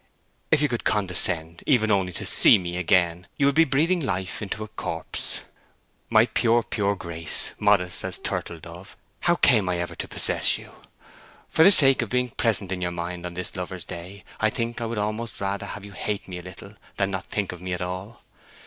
If you could condescend even only to see me again you would be breathing life into a corpse. My pure, pure Grace, modest as a turtledove, how came I ever to possess you? For the sake of being present in your mind on this lovers' day, I think I would almost rather have you hate me a little than not think of me at all.